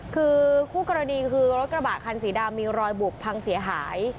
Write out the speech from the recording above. คือคู่กรณีคือรถกระบะคันสีดำมีรอยบุบพังเสียหาย